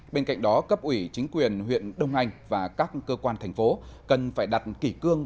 bên cạnh đó cấp ủy chính quyền huyện đông anh và các cơ quan thành phố cần phải đặt kỷ cương